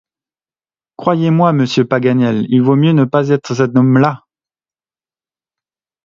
Croyez-moi, monsieur Paganel, il vaut mieux ne pas être cet homme-là!